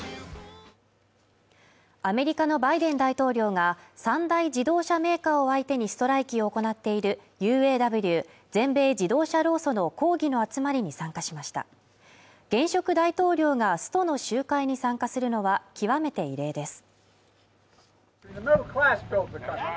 アメリカのバイデン大統領が３大自動車メーカーを相手にストライキを行っているＵＡＷ＝全米自動車労組の抗議の集まりに参加しました現職大統領が首都の集会に参加するのは極めて異例です